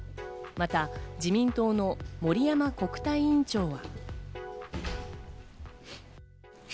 また自民党の森山国対委員長は。